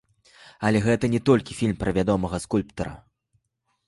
Але гэта не толькі фільм пра вядомага скульптара.